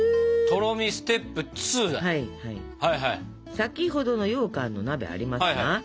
先ほどのようかんの鍋ありますな？